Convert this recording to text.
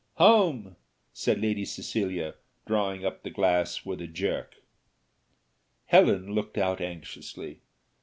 "Home!" said Lady Cecilia, drawing up the glass with a jerk. Helen looked out anxiously.